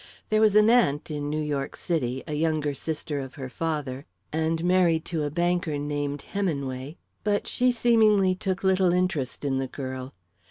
There was an aunt in New York City, a younger sister of her father, and married to a banker named Heminway, but she seemingly took little interest in the girl.